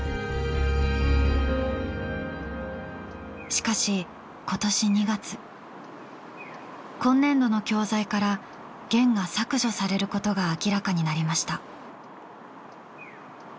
しかし今年２月今年度の教材から『ゲン』が削除されることが明らかになりました。